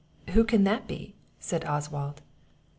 "Who can that be?" said Oswald.